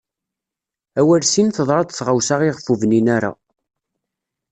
Awal sin teḍṛa-d tɣawsa i ɣef ur bnin ara.